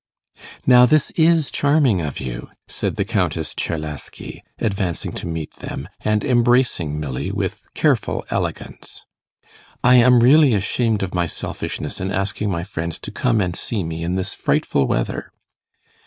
'Now this is charming of you,' said the Countess Czerlaski, advancing to meet them, and embracing Milly with careful elegance. 'I am really ashamed of my selfishness in asking my friends to come and see me in this frightful weather.